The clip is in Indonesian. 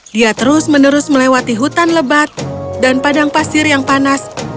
dia terus menerus melewati hutan lebat dan padang pasir yang panas